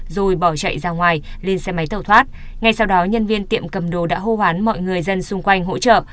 rồi bỏ chạy ra ngoài lên xe máy tàu thoát ngay sau đó nhân viên tiệm cầm đồ đã hô hoán mọi người dân xung quanh hỗ trợ